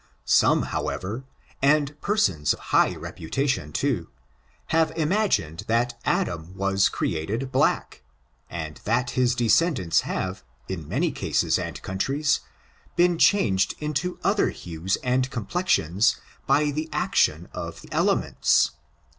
Some, however, and persons of high reputation, too, have imagined that Adam was created black, and that his descendants have, in many cases and coun tries, been changed into other hues and complexions by the action of the elements.